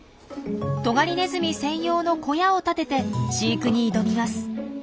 トガリネズミ専用の小屋を建てて飼育に挑みます。